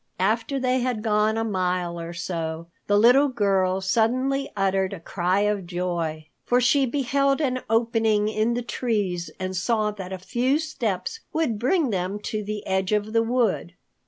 After they had gone a mile or so, the little girl suddenly uttered a cry of joy, for she beheld an opening in the trees and saw that a few steps would bring them to the edge of the wood.